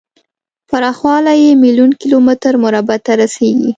پراخوالی یې میلیون کیلو متر مربع ته رسیږي.